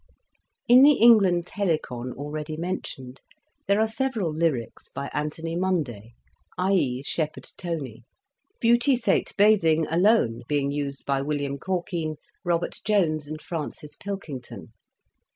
In the "England's Helicon " already mentioned there are several lyrics by Anthony Munday, i.e. Shepherd Tonie; "Beautie sate bathing" alone being used by William Corkine, Robert Jones, and Francis Pilkington.